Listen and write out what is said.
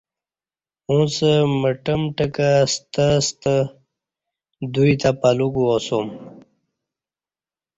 اُݩڅ مٹہ مٹہ کہ ستے ستہ دوئی تہ پلوگہ گواسوم